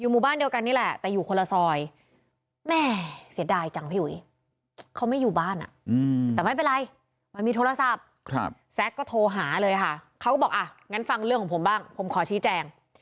มีอิทธิพลของผมบ้างผมขอชี้แจง